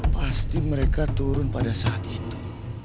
pasti mereka turun pada saat itu